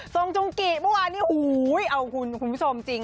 งจุงกิเมื่อวานนี้โอ้โหเอาคุณผู้ชมจริง